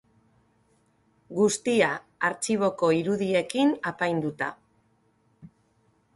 Guztia, artxiboko irudiekin apainduta.